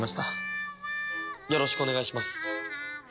よろしくお願いします。